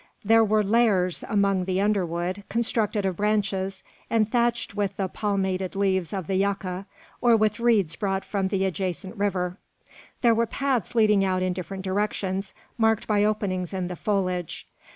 There were "lairs" among the underwood, constructed of branches, and thatched with the palmated leaves of the yucca, or with reeds brought from the adjacent river. There were paths leading out in different directions, marked by openings in the foliage.